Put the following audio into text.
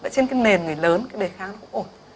trên cái nền người lớn cái đề kháng nó cũng ổn